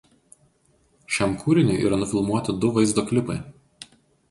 Šiam kūriniui yra nufilmuoti du vaizdo klipai.